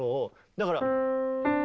だから。